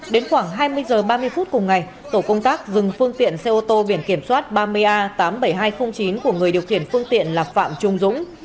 đến khoảng hai mươi h ba mươi phút cùng ngày tổ công tác dừng phương tiện xe ô tô biển kiểm soát ba mươi a tám mươi bảy nghìn hai trăm linh chín của người điều khiển phương tiện là phạm trung dũng